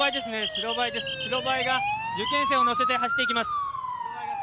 白バイが受験生を乗せて走っていきます。